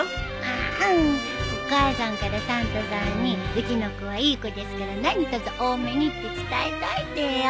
あんお母さんからサンタさんにうちの子はいい子ですから何とぞ多めにって伝えといてよ。